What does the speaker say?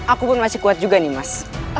aku pun masih kuat juga nih mas